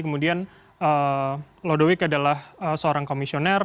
kemudian lodowic adalah seorang komisioner